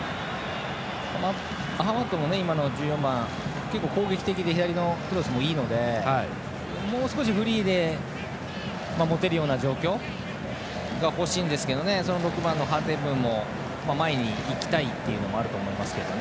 アハマッド、１４番結構、攻撃的で左のクロスもいいのでもう少しフリーで持てるような状況が欲しいんですけど６番のハテムも前に行きたいというのもあると思いますけど。